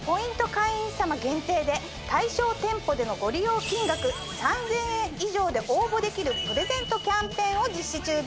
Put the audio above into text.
会員さま限定で対象店舗でのご利用金額３０００円以上で応募できるプレゼントキャンペーンを実施中です。